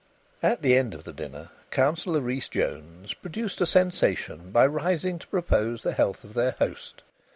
At the end of the dinner Councillor Rhys Jones produced a sensation by rising to propose the health of their host.